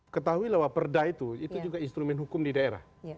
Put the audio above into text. ketahui lah wah perda itu juga instrumen hukum di daerah